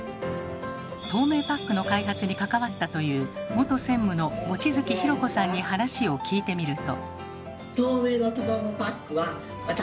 透明パックの開発に関わったという元専務の望月宏子さんに話を聞いてみると。